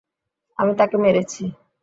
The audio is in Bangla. আমি তাকে মেরেছি।